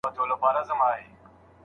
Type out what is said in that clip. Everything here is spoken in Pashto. زوی به له ډېر وخته پلار ته کيسه کړې وي.